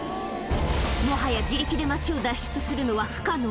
もはや自力で街を脱出するのは不可能。